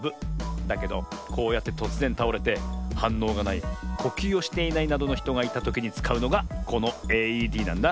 だけどこうやってとつぜんたおれてはんのうがないこきゅうをしていないなどのひとがいたときにつかうのがこのＡＥＤなんだ。